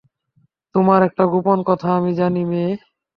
তোমার একটা গোপন কথা আমি জানি, মেয়ে।